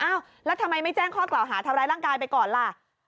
แล้วทำไมไม่แจ้งข้อกล่าวหาทำร้ายร่างกายไปก่อนล่ะ